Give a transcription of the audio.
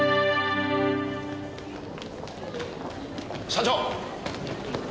「」社長！